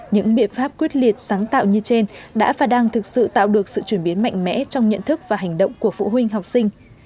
những biện pháp quyết liệt sáng tạo như trên đã và đang thực sự tạo được sự chuyển biến mạnh mẽ trong nhận thức và hành động của phụ huynh học sinh